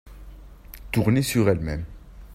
Tourner sur elle-même